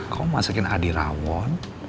kamu masakin adi rawon